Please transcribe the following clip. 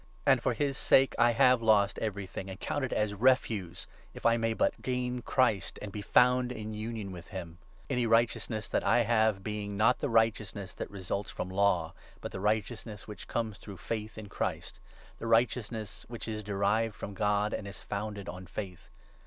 And for his sake I have lost everything, and count it as refuse, if I may but PHILIPPIANS, 3^4. 403 gain Christ and be found in union with him ; any righteous 9 ness that I have being, not the righteousness that results from Law, but the righteousness which comes through faith in Christ — the righteousness which is derived from God and is founded on faith.